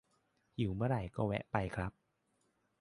หิวเมื่อไหร่ก็แวะไปครับ